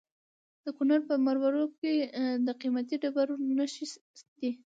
د کونړ په مروره کې د قیمتي ډبرو نښې دي.